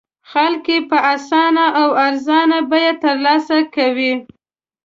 خلک یې په اسانه او ارزانه بیه تر لاسه کوي.